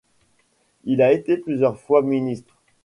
Il a été plusieurs fois ministre.